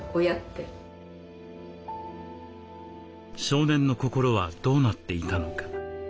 少年の心はどうなっていたのか。